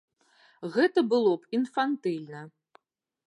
Гэта было б інфантыльна.